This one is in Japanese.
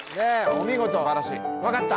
お見事分かった？